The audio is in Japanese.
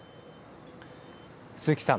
鈴木さん。